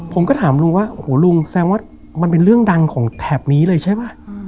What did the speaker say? ผมก็ถามลุงว่าโอ้โหลุงแสดงว่ามันเป็นเรื่องดังของแถบนี้เลยใช่ป่ะ